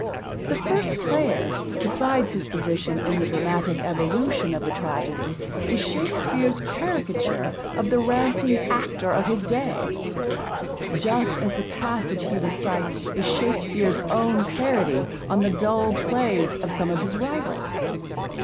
The First Player, besides his position in the dramatic evolution of the tragedy, is Shakespeare's caricature of the ranting actor of his day, just as the passage he recites is Shakespeare's own parody on the dull plays of some of his rivals.